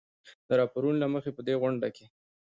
د راپورونو له مخې په دې غونډه کې